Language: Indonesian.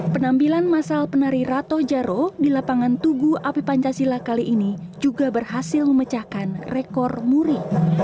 penampilan masal penari rato jaro di lapangan tugu api pancasila kali ini juga berhasil memecahkan rekor muri